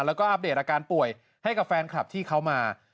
แล้วก็อัปเดตอาการป่วยให้กับแฟนคลับที่เขามา